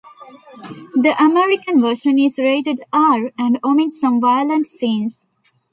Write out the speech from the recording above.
The American version is rated R, and omits some violent scenes.